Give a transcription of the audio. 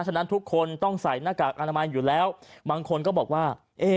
ฉะนั้นทุกคนต้องใส่หน้ากากอนามัยอยู่แล้วบางคนก็บอกว่า